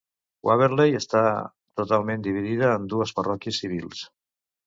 Waverley està totalment dividit en dues parròquies civils.